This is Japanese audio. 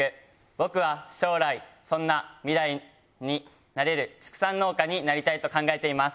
僕は将来そんな未来になれる畜産農家になりたいと考えています。